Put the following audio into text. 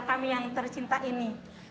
kekuatan yang tercinta ini